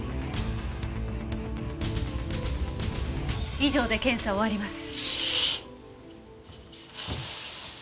以上で検査を終わります。